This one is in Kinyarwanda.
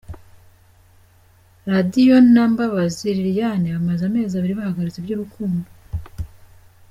Radio na Mbabazi Lilian bamaze amezi abiri bahagaritse iby’urukundo.